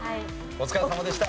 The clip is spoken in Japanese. お疲れさまでした。